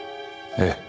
ええ。